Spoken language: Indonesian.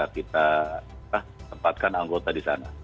kita tempatkan anggota di sana